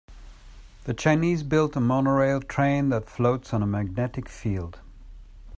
The Chinese built a monorail train that floats on a magnetic field.